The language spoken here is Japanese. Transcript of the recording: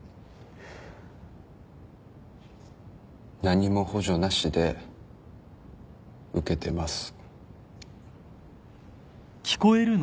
何も補助なしで受けてます。